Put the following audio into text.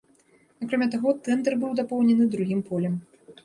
Акрамя таго, тэндэр быў дапоўнены другім полем.